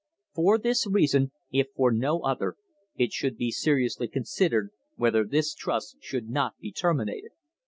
For this reason, if for no other, it should be seriously considered whether this trust should not be terminated.